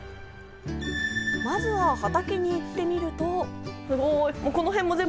まずは畑に行ってみると。